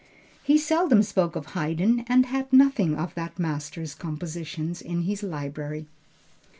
He seldom spoke of Haydn, and had nothing of that master's compositions in his library.